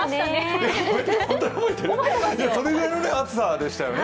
それぐらいの暑さでしたよね